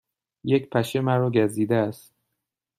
یک پشه مرا گزیده است.